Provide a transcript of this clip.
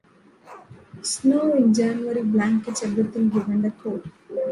Snow in January blankets everything, given the cold.